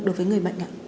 đối với người bệnh ạ